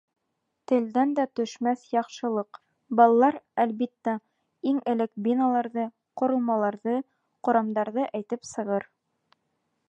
Телдән дә төшмәҫ яҡшылыҡ — Балалар, әлбиттә, иң элек биналарҙы, ҡоролмаларҙы, ҡорамдарҙы әйтеп сығыр.